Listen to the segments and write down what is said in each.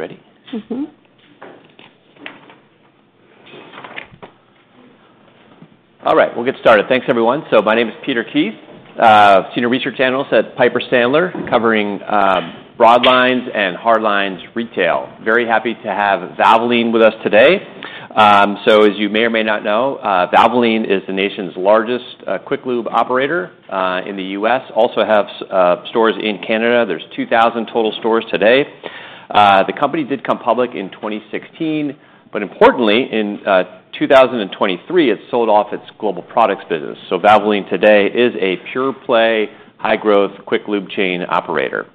You ready? Mm-hmm. All right, we'll get started. Thanks, everyone. My name is Peter Keith, Senior Research Analyst at Piper Sandler, covering broad lines and hard lines retail. Very happy to have Valvoline with us today. So as you may or may not know, Valvoline is the nation's largest quick lube operator in the U.S. Also have stores in Canada. There are 2,000 total stores today. The company did come public in 2016, but importantly, in 2023, it sold off its global products business. Valvoline today is a pure-play, high-growth, quick lube chain operator.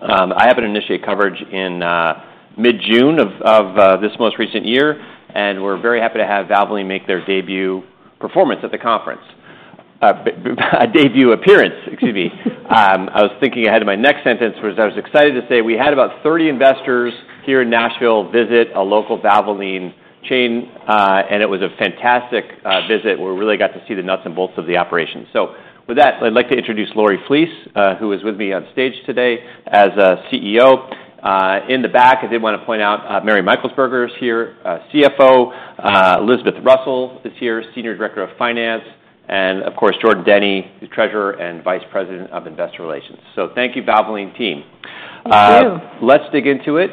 I happened to initiate coverage in mid-June of this most recent year, and we're very happy to have Valvoline make their debut performance at the conference. A debut appearance, excuse me. I was thinking ahead to my next sentence, which I was excited to say, we had about 30 investors here in Nashville visit a local Valvoline chain, and it was a fantastic visit, where we really got to see the nuts and bolts of the operation. So with that, I'd like to introduce Lori Flees, who is with me on stage today as CEO. In the back, I did wanna point out, Mary Meixelsperger is here, CFO. Elizabeth Russell is here, Senior Director of Finance, and of course, Jordan Denny, the Treasurer and Vice President of Investor Relations. So thank you, Valvoline team. Thank you. Let's dig into it.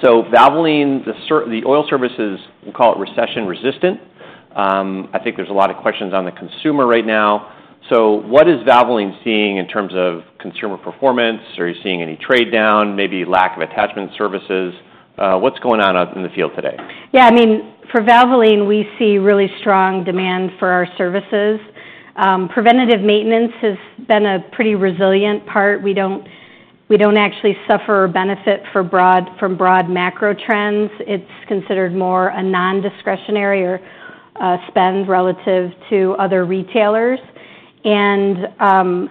So Valvoline, the oil services, we'll call it recession-resistant. I think there's a lot of questions on the consumer right now. So what is Valvoline seeing in terms of consumer performance? Are you seeing any trade down, maybe lack of attachment services? What's going on out in the field today? Yeah, I mean, for Valvoline, we see really strong demand for our services. Preventative maintenance has been a pretty resilient part. We don't, we don't actually suffer or benefit from broad macro trends. It's considered more a non-discretionary or spend relative to other retailers. And,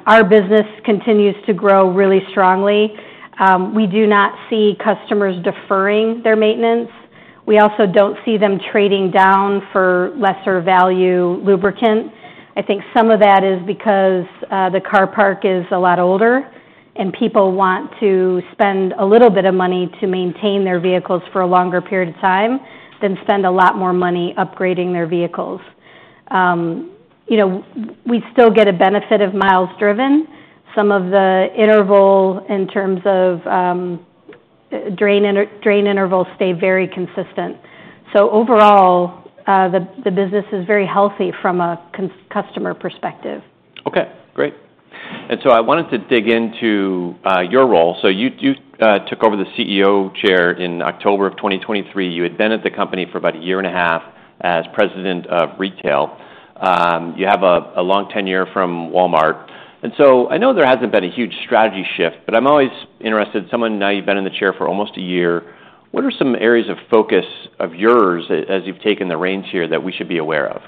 our business continues to grow really strongly. We do not see customers deferring their maintenance. We also don't see them trading down for lesser value lubricant. I think some of that is because, the car park is a lot older, and people want to spend a little bit of money to maintain their vehicles for a longer period of time than spend a lot more money upgrading their vehicles. You know, we still get a benefit of miles driven. Some of the interval in terms of, drain intervals stay very consistent. So overall, the business is very healthy from a customer perspective. Okay, great. And so I wanted to dig into your role. So you took over the CEO chair in October of 2023. You had been at the company for about a year and a half as President of Retail. You have a long tenure from Walmart, and so I know there hasn't been a huge strategy shift, but I'm always interested, someone... Now, you've been in the chair for almost a year, what are some areas of focus of yours as you've taken the reins here that we should be aware of?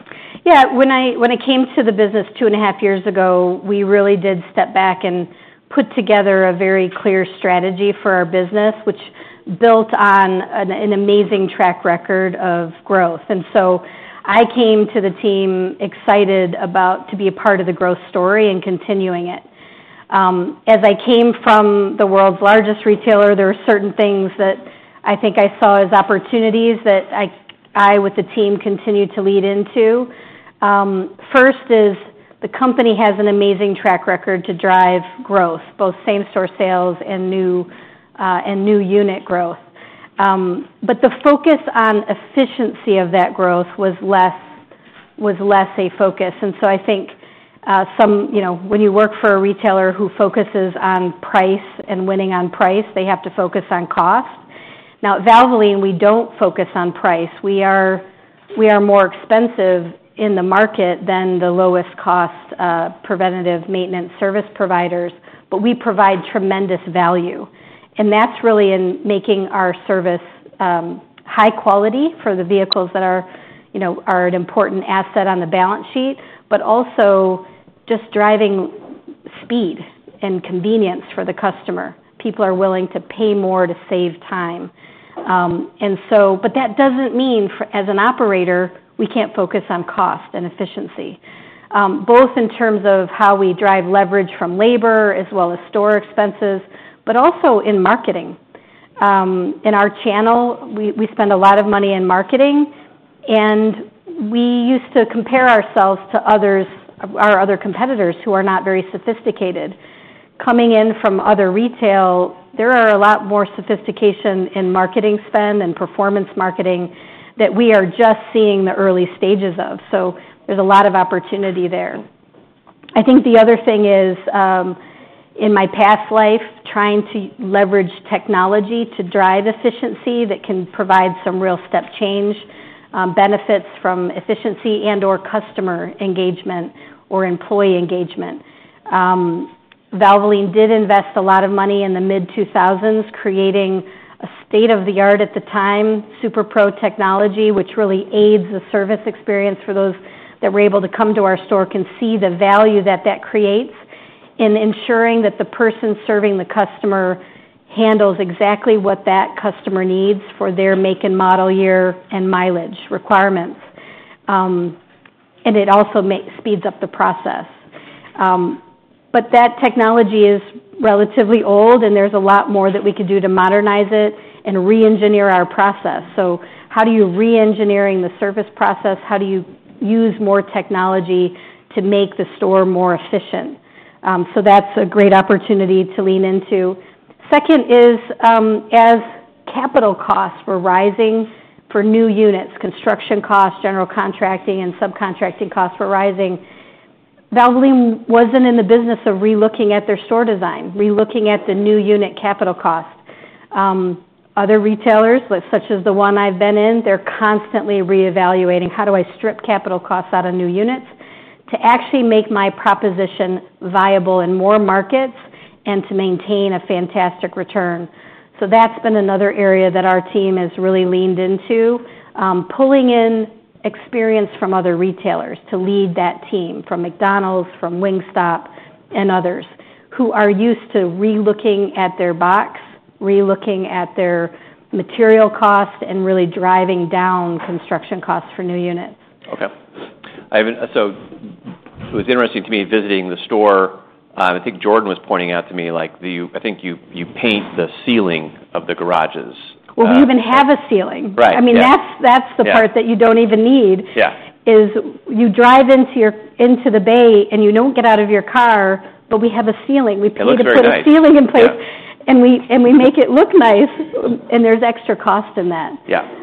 Yeah, when I came to the business two and a half years ago, we really did step back and put together a very clear strategy for our business, which built on an amazing track record of growth. And so I came to the team excited about to be a part of the growth story and continuing it. As I came from the world's largest retailer, there are certain things that I think I saw as opportunities that I with the team continued to lead into. First is, the company has an amazing track record to drive growth, both same-store sales and new unit growth. But the focus on efficiency of that growth was less a focus. And so I think, you know, when you work for a retailer who focuses on price and winning on price, they have to focus on cost. Now, at Valvoline, we don't focus on price. We are more expensive in the market than the lowest cost preventative maintenance service providers, but we provide tremendous value, and that's really in making our service high quality for the vehicles that are, you know, an important asset on the balance sheet, but also just driving speed and convenience for the customer. People are willing to pay more to save time. And so, but that doesn't mean, as an operator, we can't focus on cost and efficiency, both in terms of how we drive leverage from labor as well as store expenses, but also in marketing. In our channel, we spend a lot of money in marketing, and we used to compare ourselves to others, our other competitors, who are not very sophisticated. Coming in from other retail, there are a lot more sophistication in marketing spend and performance marketing that we are just seeing the early stages of, so there's a lot of opportunity there. I think the other thing is, in my past life, trying to leverage technology to drive efficiency that can provide some real step change, benefits from efficiency and/or customer engagement or employee engagement. Valvoline did invest a lot of money in the mid-2000s, creating a state-of-the-art at the time SuperPro technology, which really aids the service experience for those that were able to come to our store, can see the value that that creates in ensuring that the person serving the customer handles exactly what that customer needs for their make and model, year, and mileage requirements. And it also speeds up the process. But that technology is relatively old, and there's a lot more that we could do to modernize it and re-engineer our process. So how do you re-engineering the service process? How do you use more technology to make the store more efficient? So that's a great opportunity to lean into. Second is, as capital costs were rising for new units, construction costs, general contracting, and subcontracting costs were rising, Valvoline wasn't in the business of relooking at their store design, relooking at the new unit capital costs. Other retailers, with such as the one I've been in, they're constantly reevaluating, How do I strip capital costs out of new units to actually make my proposition viable in more markets and to maintain a fantastic return? So that's been another area that our team has really leaned into. Pulling in experience from other retailers to lead that team, from McDonald's, from Wingstop, and others, who are used to relooking at their box, relooking at their material costs, and really driving down construction costs for new units. Okay. So it was interesting to me visiting the store. I think Jordan was pointing out to me, like, I think you paint the ceiling of the garages. We even have a ceiling. Right, yeah. I mean, that's, that's the part- Yeah... that you don't even need. Yeah. As you drive into the bay, and you don't get out of your car, but we have a ceiling. It looks very nice. We pay to put a ceiling in place. Yeah. And we make it look nice, and there's extra cost in that. Yeah.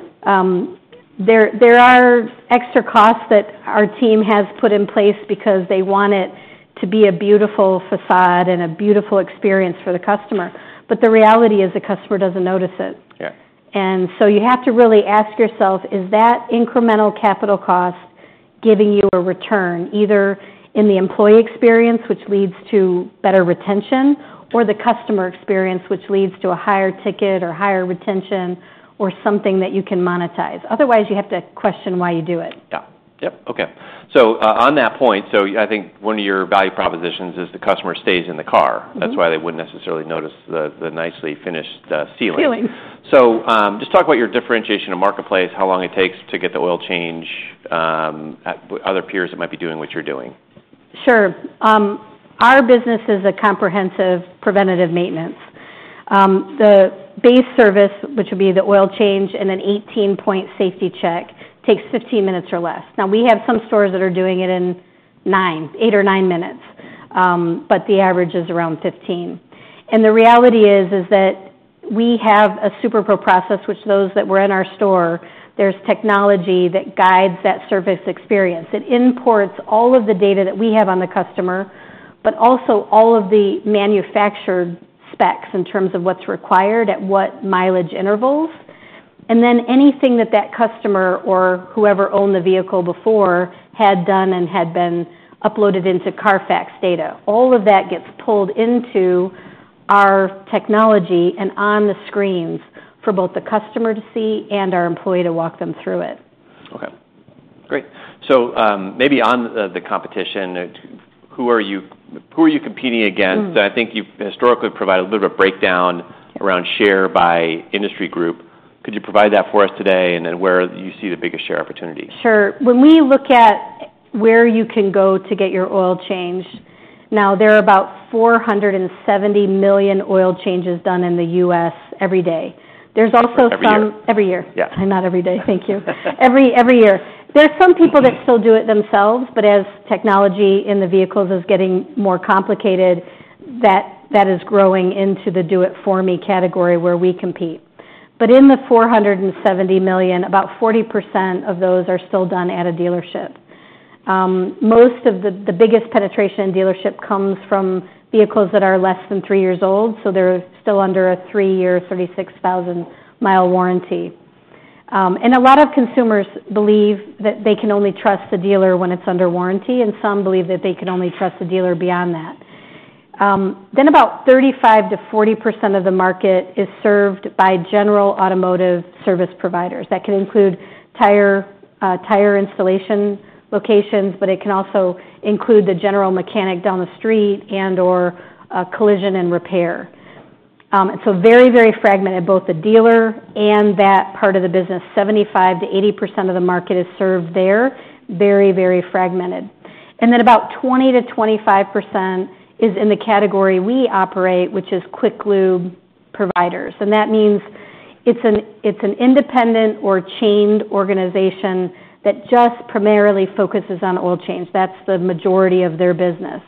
There are extra costs that our team has put in place because they want it to be a beautiful facade and a beautiful experience for the customer. But the reality is, the customer doesn't notice it. Yeah. And so you have to really ask yourself, is that incremental capital cost giving you a return, either in the employee experience, which leads to better retention, or the customer experience, which leads to a higher ticket or higher retention or something that you can monetize? Otherwise, you have to question why you do it. Yeah. Yep, okay. So, on that point, so I think one of your value propositions is the customer stays in the car. Mm-hmm. That's why they wouldn't necessarily notice the nicely finished ceiling. Ceiling. Just talk about your differentiation in marketplace, how long it takes to get the oil change at other peers that might be doing what you're doing. Sure. Our business is a comprehensive preventative maintenance. The base service, which would be the oil change and an 18-point safety check, takes 15 minutes or less. Now, we have some stores that are doing it in nine, eight, or nine minutes, but the average is around fifteen. The reality is that we have a SuperPro process, which those that were in our store, there's technology that guides that service experience. It imports all of the data that we have on the customer, but also all of the manufacturer's specs in terms of what's required at what mileage intervals, and then anything that that customer or whoever owned the vehicle before had done and had been uploaded into CARFAX data. All of that gets pulled into our technology and on the screens for both the customer to see and our employee to walk them through it. Okay, great. So, maybe on the competition, who are you competing against? Mm. I think you've historically provided a little bit of a breakdown around share by industry group. Could you provide that for us today, and then where you see the biggest share opportunity? Sure. When we look at where you can go to get your oil changed, now, there are about 470 million oil changes done in the U.S. every day. There's also some- Every year. Every year. Yeah. Not every day. Thank you. Every year. There are some people that still do it themselves, but as technology in the vehicles is getting more complicated, that is growing into the do-it-for-me category, where we compete. But in the 470 million, about 40% of those are still done at a dealership. Most of the biggest penetration dealership comes from vehicles that are less than three years old, so they're still under a three-year, 36,000-mile warranty. And a lot of consumers believe that they can only trust the dealer when it's under warranty, and some believe that they can only trust the dealer beyond that. Then about 35%-40% of the market is served by general automotive service providers. That can include tire, tire installation locations, but it can also include the general mechanic down the street and/or, collision and repair, so very, very fragmented, both the dealer and that part of the business. 75%-80% of the market is served there. Very, very fragmented, and then about 20%-25% is in the category we operate, which is quick lube providers, and that means it's an independent or chained organization that just primarily focuses on oil change. That's the majority of their business.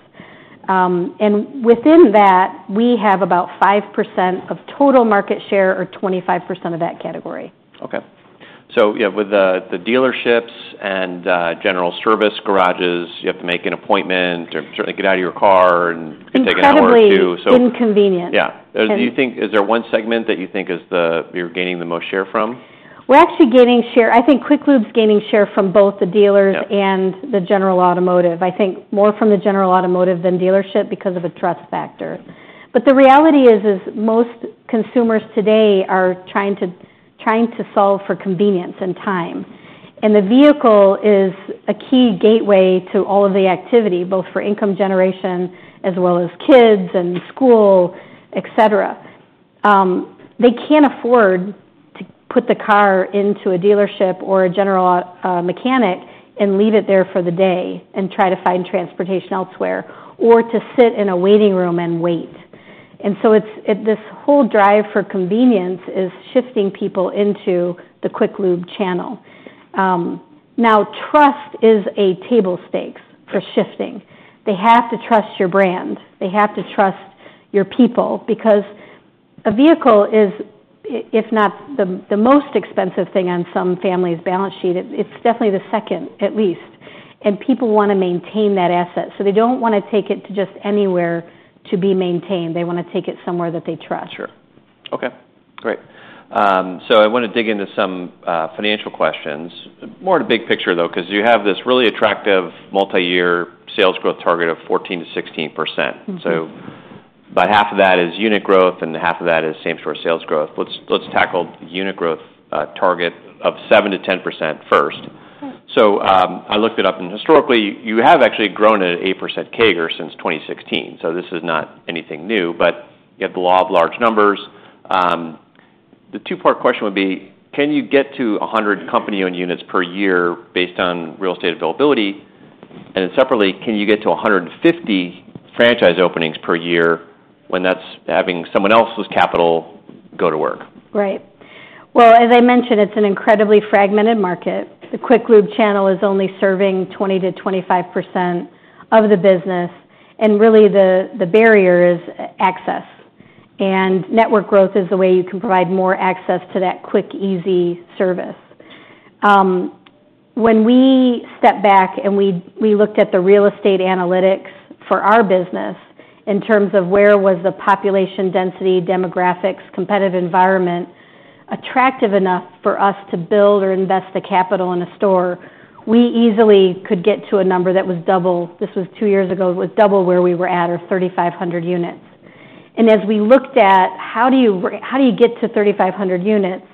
And within that, we have about 5% of total market share or 25% of that category. Okay. So, yeah, with the dealerships and general service garages, you have to make an appointment or certainly get out of your car and- Incredibly- take an hour or two, so Inconvenient. Yeah. And- Do you think... Is there one segment that you think you're gaining the most share from? We're actually gaining share. I think quick lube's gaining share from both the dealers. Yeah... and the general automotive. I think more from the general automotive than dealership because of a trust factor. But the reality is most consumers today are trying to solve for convenience and time, and the vehicle is a key gateway to all of the activity, both for income generation as well as kids and school, etc. They can't afford to put the car into a dealership or a general mechanic and leave it there for the day and try to find transportation elsewhere, or to sit in a waiting room and wait, and so it's this whole drive for convenience is shifting people into the quick lube channel. Now, trust is a table stakes for shifting. They have to trust your brand. They have to trust your people, because a vehicle is, if not the most expensive thing on some family's balance sheet, it's definitely the second, at least, and people wanna maintain that asset. So they don't wanna take it to just anywhere to be maintained. They wanna take it somewhere that they trust. Sure. Okay, great. So I wanna dig into some financial questions. More on the big picture, though, 'cause you have this really attractive multi-year sales growth target of 14%-16%. Mm-hmm. About half of that is unit growth, and half of that is same-store sales growth. Let's tackle the unit growth target of 7%-10% first. Sure. So, I looked it up, and historically, you have actually grown at 8% CAGR since 2016, so this is not anything new, but you have the law of large numbers. The two-part question would be: Can you get to 100 company-owned units per year based on real estate availability? And then separately, can you get to 150 franchise openings per year when that's having someone else's capital go to work? Right. Well, as I mentioned, it's an incredibly fragmented market. The quick lube channel is only serving 20%-25% of the business, and really, the barrier is access, and network growth is the way you can provide more access to that quick, easy service. When we stepped back, and we looked at the real estate analytics for our business in terms of where was the population density, demographics, competitive environment, attractive enough for us to build or invest the capital in a store, we easily could get to a number that was double. This was two years ago. It was double where we were at, or 3,500 units. And as we looked at, how do you get to 3,500 units?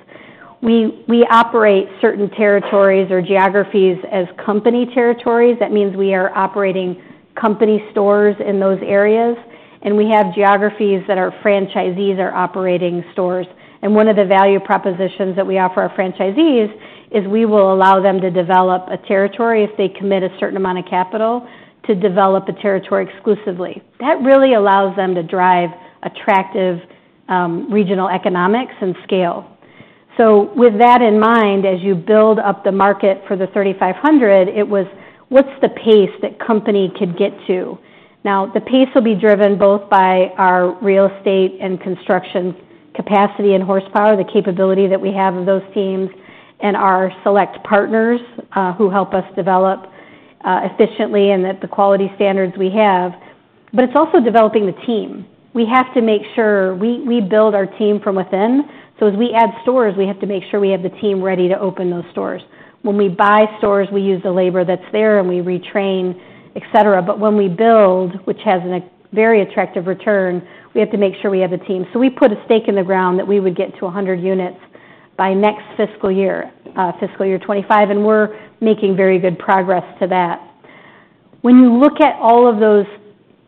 We operate certain territories or geographies as company territories. That means we are operating company stores in those areas, and we have geographies that our franchisees are operating stores. One of the value propositions that we offer our franchisees is we will allow them to develop a territory if they commit a certain amount of capital to develop a territory exclusively. That really allows them to drive attractive regional economics and scale. With that in mind, as you build up the market for the 3,500, what's the pace that company could get to? The pace will be driven both by our real estate and construction capacity and horsepower, the capability that we have of those teams and our select partners who help us develop efficiently and at the quality standards we have, but it's also developing the team. We have to make sure we build our team from within, so as we add stores, we have to make sure we have the team ready to open those stores. When we buy stores, we use the labor that's there, and we retrain, etc. But when we build, which has a very attractive return, we have to make sure we have the team. So we put a stake in the ground that we would get to a hundred units by next fiscal year, fiscal year 2025, and we're making very good progress to that. When you look at all of those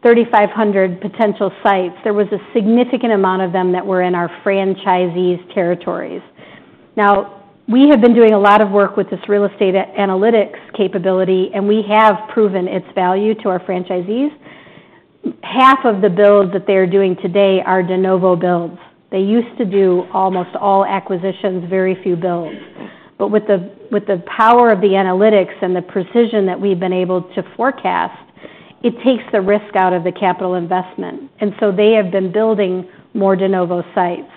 3,500 potential sites, there was a significant amount of them that were in our franchisees' territories. Now, we have been doing a lot of work with this real estate analytics capability, and we have proven its value to our franchisees. Half of the builds that they're doing today are de novo builds. They used to do almost all acquisitions, very few builds. But with the power of the analytics and the precision that we've been able to forecast, it takes the risk out of the capital investment, and so they have been building more de novo sites.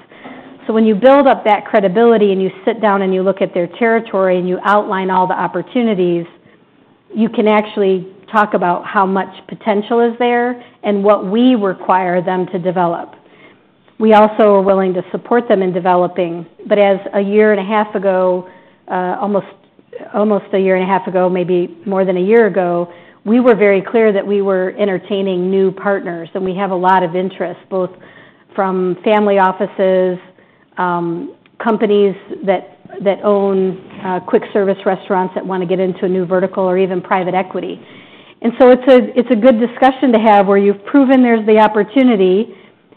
So when you build up that credibility, and you sit down and you look at their territory, and you outline all the opportunities, you can actually talk about how much potential is there and what we require them to develop. We also are willing to support them in developing, but as a year and a half ago, almost a year and a half ago, maybe more than a year ago, we were very clear that we were entertaining new partners, and we have a lot of interest, both from family offices, companies that own quick service restaurants that wanna get into a new vertical or even private equity. And so it's a good discussion to have, where you've proven there's the opportunity,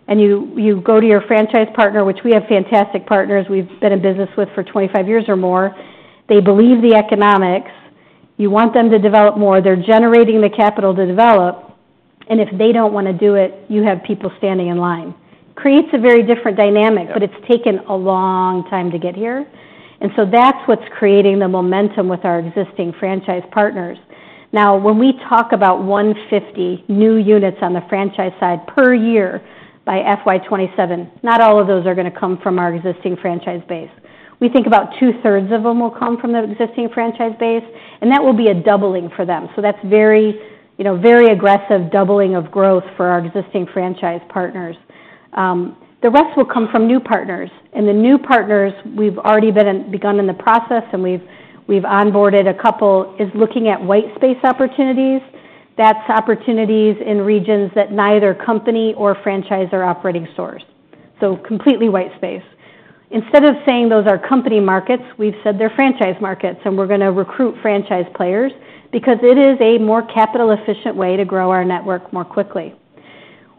and you go to your franchise partner, which we have fantastic partners we've been in business with for 25 years or more. They believe the economics. You want them to develop more. They're generating the capital to develop, and if they don't wanna do it, you have people standing in line. Creates a very different dynamic. Sure. But it's taken a long time to get here, and so that's what's creating the momentum with our existing franchise partners. Now, when we talk about 150 new units on the franchise side per year by FY 2027, not all of those are gonna come from our existing franchise base. We think about two-thirds of them will come from the existing franchise base, and that will be a doubling for them. So that's very, you know, very aggressive doubling of growth for our existing franchise partners. The rest will come from new partners, and the new partners, we've already begun the process, and we've onboarded a couple is looking at white space opportunities. That's opportunities in regions that neither company or franchisor are operating stores, so completely white space. Instead of saying those are company markets, we've said they're franchise markets, and we're gonna recruit franchise players because it is a more capital-efficient way to grow our network more quickly.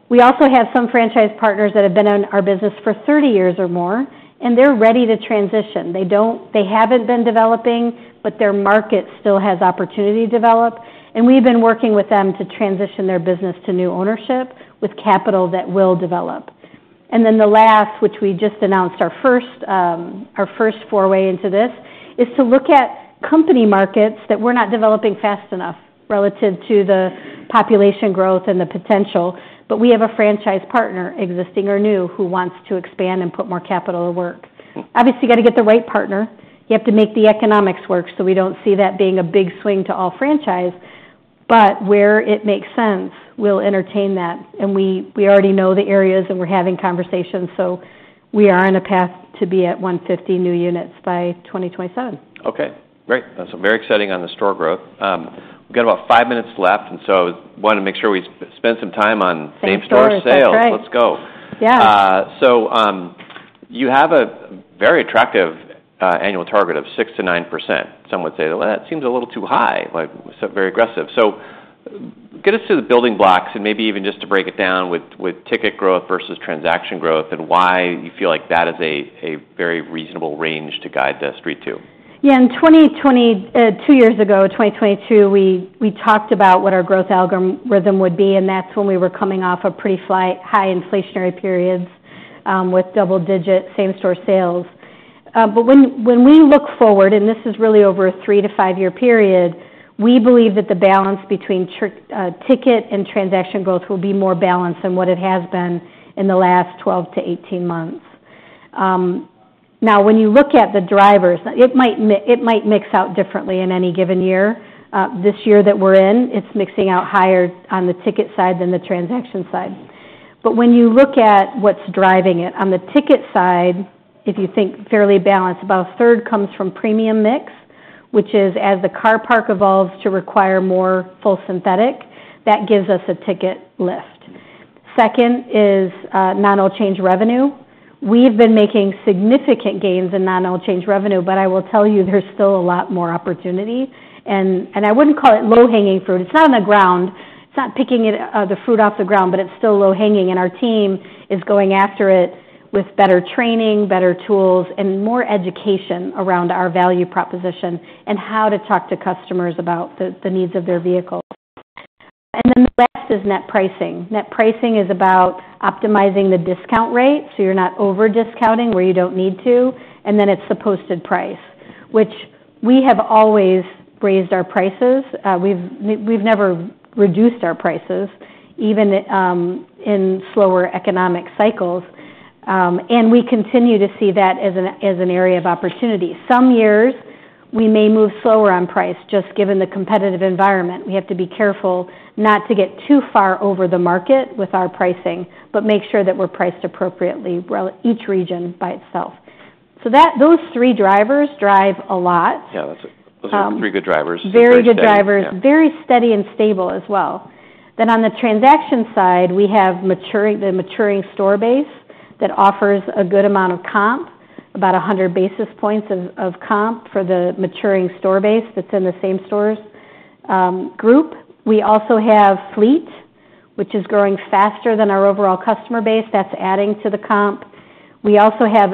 We also have some franchise partners that have been in our business for thirty years or more, and they're ready to transition. They haven't been developing, but their market still has opportunity to develop, and we've been working with them to transition their business to new ownership with capital that will develop. And then the last, which we just announced, our first foray into this, is to look at company markets that we're not developing fast enough relative to the population growth and the potential, but we have a franchise partner, existing or new, who wants to expand and put more capital to work. Obviously, you got to get the right partner. You have to make the economics work, so we don't see that being a big swing to all franchise. But where it makes sense, we'll entertain that, and we already know the areas, and we're having conversations, so we are on a path to be at 150 new units by 2027. Okay, great. That's very exciting on the store growth. We've got about five minutes left, and so want to make sure we spend some time on same-store sales. Same-store, that's right. Let's go. Yes. You have a very attractive annual target of 6%-9%. Some would say, "Well, that seems a little too high, like, so very aggressive." Get us through the building blocks and maybe even just to break it down with ticket growth versus transaction growth, and why you feel like that is a very reasonable range to guide the Street to. Yeah, in 2022, two years ago, 2022, we talked about what our growth algorithm would be, and that's when we were coming off of pretty high inflationary periods with double-digit same-store sales. But when we look forward, and this is really over a three to five-year period, we believe that the balance between ticket and transaction growth will be more balanced than what it has been in the last 12 to 18 months. Now, when you look at the drivers, it might mix out differently in any given year. This year that we're in, it's mixing out higher on the ticket side than the transaction side. But when you look at what's driving it, on the ticket side, if you think fairly balanced, about a third comes from premium mix, which is as the car park evolves to require more full synthetic, that gives us a ticket lift. Second is non-oil change revenue. We've been making significant gains in non-oil change revenue, but I will tell you there's still a lot more opportunity, and I wouldn't call it low-hanging fruit. It's not on the ground. It's not picking it, the fruit off the ground, but it's still low-hanging, and our team is going after it with better training, better tools, and more education around our value proposition and how to talk to customers about the needs of their vehicle. And then the last is net pricing. Net pricing is about optimizing the discount rate, so you're not over-discounting where you don't need to, and then it's the posted price, which we have always raised our prices. We've never reduced our prices, even in slower economic cycles, and we continue to see that as an area of opportunity. Some years, we may move slower on price, just given the competitive environment. We have to be careful not to get too far over the market with our pricing, but make sure that we're priced appropriately while each region by itself. So that those three drivers drive a lot. Yeah, that's, those are three good drivers. Very good drivers. Yeah. Very steady and stable as well. Then on the transaction side, we have the maturing store base that offers a good amount of comp, about 100 basis points of comp for the maturing store base that's in the same stores group. We also have fleet, which is growing faster than our overall customer base. That's adding to the comp. We also have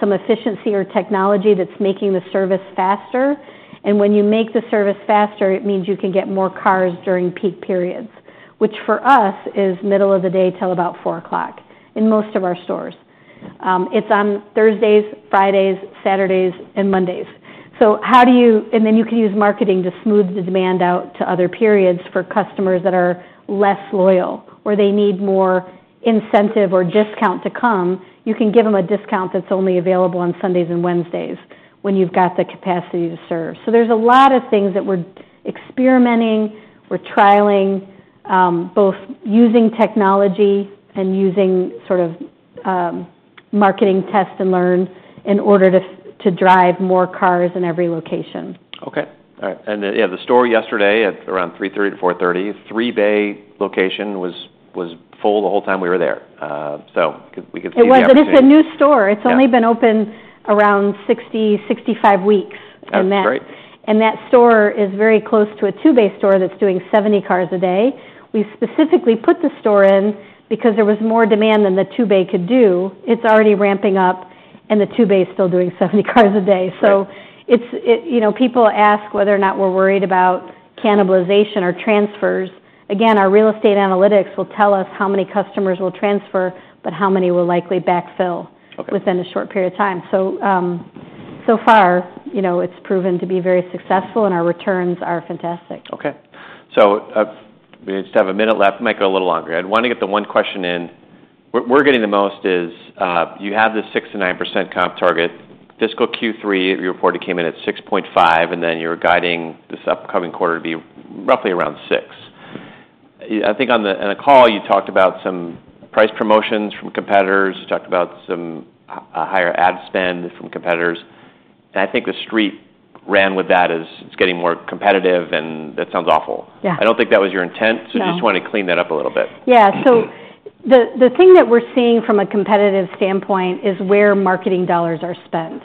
some efficiency or technology that's making the service faster, and when you make the service faster, it means you can get more cars during peak periods, which for us is middle of the day till about 4:00pm in most of our stores. It's on Thursdays, Fridays, Saturdays, and Mondays. So how do you... And then you can use marketing to smooth the demand out to other periods for customers that are less loyal, or they need more incentive or discount to come. You can give them a discount that's only available on Sundays and Wednesdays when you've got the capacity to serve. So there's a lot of things that we're experimenting, we're trialing, both using technology and using sort of, marketing test and learn in order to drive more cars in every location. Okay. All right. And then, yeah, the store yesterday at around 3:30pm-4:30pm, 3-bay location was full the whole time we were there, so we could- It was, but it's a new store. Yeah. It's only been open around 60-65 weeks- That's great... and that store is very close to a two-bay store that's doing 70 cars a day. We specifically put the store in because there was more demand than the two-bay could do. It's already ramping up, and the two-bay is still doing 70 cars a day. Great. It's, you know, people ask whether or not we're worried about cannibalization or transfers. Again, our real estate analytics will tell us how many customers will transfer, but how many will likely backfill- Okay... within a short period of time. So, so far, you know, it's proven to be very successful, and our returns are fantastic. Okay. So, we just have a minute left, make it a little longer. I want to get the one question in. What we're getting the most is, you have this 6%-9% comp target. Fiscal Q3, your report came in at 6.5, and then you're guiding this upcoming quarter to be roughly around 6. I think in the call, you talked about some price promotions from competitors. You talked about some a higher ad spend from competitors. And I think the street ran with that as it's getting more competitive, and that sounds awful. Yeah. I don't think that was your intent- No. So just want to clean that up a little bit. Yeah. So the thing that we're seeing from a competitive standpoint is where marketing dollars are spent.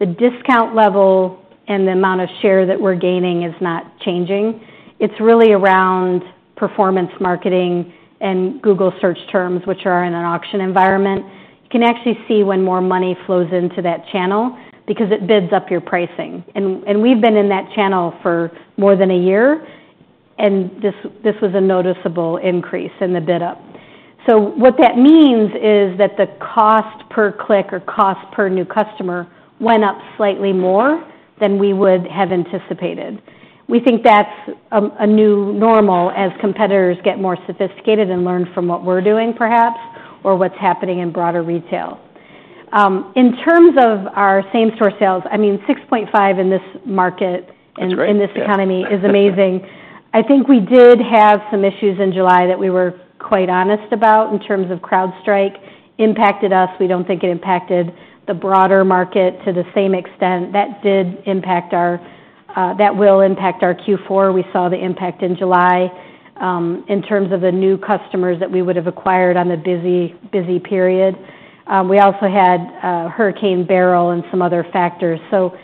The discount level and the amount of share that we're gaining is not changing. It's really around performance marketing and Google search terms, which are in an auction environment. You can actually see when more money flows into that channel because it bids up your pricing. And we've been in that channel for more than a year, and this was a noticeable increase in the bid up. So what that means is that the cost per click or cost per new customer went up slightly more than we would have anticipated. We think that's a new normal as competitors get more sophisticated and learn from what we're doing, perhaps, or what's happening in broader retail. In terms of our same-store sales, I mean, 6.5 in this market- That's great, yeah. And in this economy, is amazing. I think we did have some issues in July that we were quite honest about in terms of CrowdStrike impacted us. We don't think it impacted the broader market to the same extent. That did impact our, that will impact our Q4. We saw the impact in July, in terms of the new customers that we would have acquired on a busy, busy period. We also had, Hurricane Beryl and some other factors. So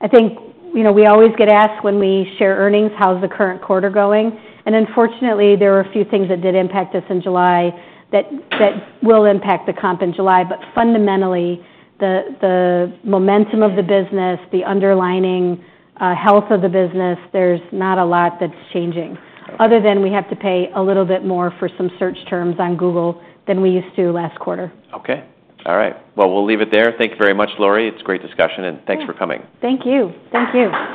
I think, you know, we always get asked when we share earnings, "How's the current quarter going?" And unfortunately, there are a few things that did impact us in July that will impact the comp in July. But fundamentally, the momentum of the business, the underlying health of the business, there's not a lot that's changing, other than we have to pay a little bit more for some search terms on Google than we used to last quarter. Okay. All right. Well, we'll leave it there. Thank you very much, Lori. It's a great discussion, and thanks for coming. Thank you. Thank you.